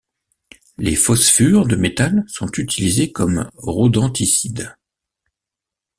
Les phosphures de métal sont utilisés comme rodenticides.